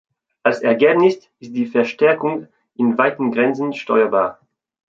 Als Ergebnis ist die Verstärkung in weiten Grenzen steuerbar.